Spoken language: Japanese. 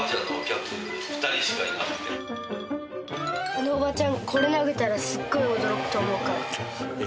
あのおばちゃんこれ投げたらすっごい驚くと思うから見てろよ。